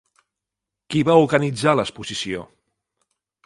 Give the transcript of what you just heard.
Qui va organitzar l'exposició?